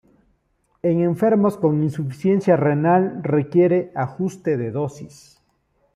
En enfermos con insuficiencia renal requiere ajuste de dosis.